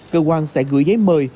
cơ quan sẽ gửi giấy mời